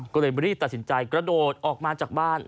ก็เลยรีบตัดสินใจกระโดดออกมาจากบ้าน